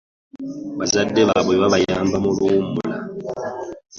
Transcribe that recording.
Bazadde baabwe babayamba mu luwummula.